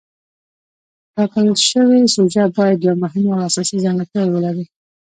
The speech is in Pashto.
ټاکل شوې سوژه باید دوه مهمې او اساسي ځانګړتیاوې ولري.